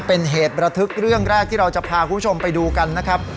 เป็นเหตุระทึกเรื่องแรกที่เราจะพาคุณผู้ชมไปดูกันนะครับ